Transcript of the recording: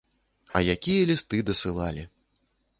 А якія лісты дасылалі!